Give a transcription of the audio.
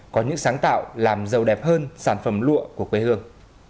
có những sáng tạo làm giàu đẹp hơn sản phẩm lụa của quê hương